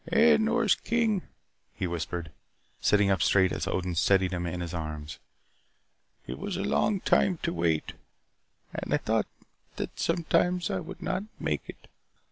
"Eh, Nors King," he whispered, sitting up straight as Odin steadied him in his arms. "It was a long time to wait. And I thought sometimes that I would not make it.